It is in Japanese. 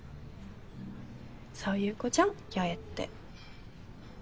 そういう子じゃん八重って。